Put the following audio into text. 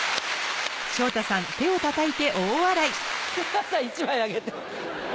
山田さん１枚あげて。